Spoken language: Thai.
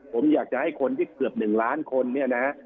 ผมอยากจะให้คนที่เกือบ๑ล้านคนเนี่ยนะฮะ